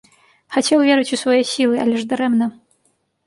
Хацеў верыць у свае сілы, але ж дарэмна.